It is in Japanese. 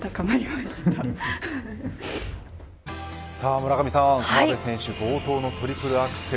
村上さん河辺選手、冒頭のトリプルアクセル